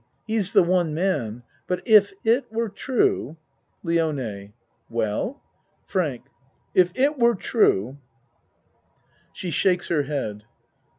He's the one man but if it were true LIONE Well? FRANK If it were true (She shakes her head.)